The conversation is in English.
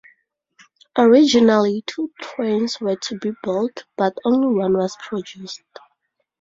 Originally, two trains were to be built, but only one was produced.